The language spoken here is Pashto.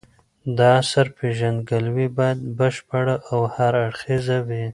د اثر پېژندګلوي باید بشپړه او هر اړخیزه وي.